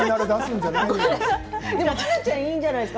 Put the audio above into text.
はなちゃんいいんじゃないですか。